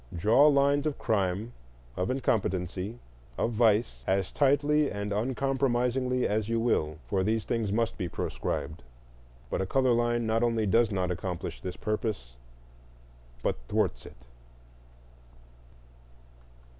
Draw lines of crime, of incompetency, of vice, as tightly and uncompromisingly as you will, for these things must be proscribed; but a color line not only does not accomplish this purpose, but thwarts it.